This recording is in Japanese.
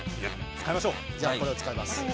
じゃあこれを使います。